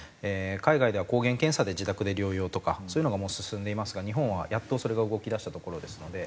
海外では抗原検査で自宅で療養とかそういうのがもう進んでいますが日本はやっとそれが動き出したところですので。